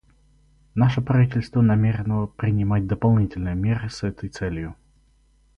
Наше правительство намерено принимать дополнительные меры с этой целью.